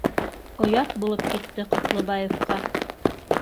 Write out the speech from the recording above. Оят булып китте Ҡотлобаевҡа